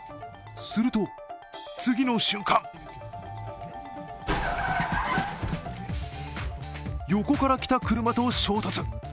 すると、次の瞬間横から来た車と衝突。